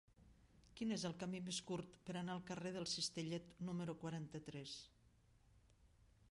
Quin és el camí més curt per anar al carrer del Cistellet número quaranta-tres?